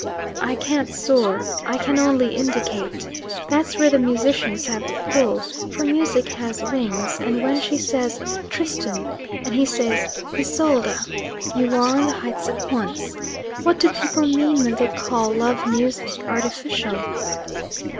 "I can't soar; I can only indicate. That's where the musicians have the pull, for music has wings, and when she says 'Tristan' and he says 'Isolde,' you are on the heights at once. What do people mean when they call love music artificial?"